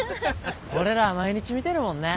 俺らは毎日見てるもんね。